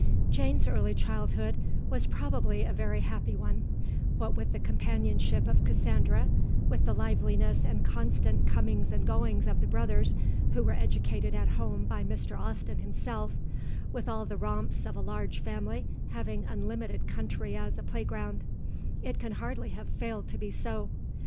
Jane's early childhood was probably a very happy one; what with the companionship of Cassandra, with the liveliness and constant comings and goings of the brothers who were educated at home by Mr. Austen himself, with all the romps of a large family having unlimited country as a playground, it can hardly have failed to be so.